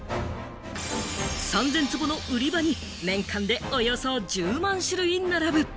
３０００坪の売り場に年間で、およそ１０万種類並ぶ。